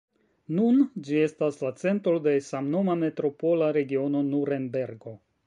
Nun ĝi estas la centro de samnoma Metropola regiono Nurenbergo.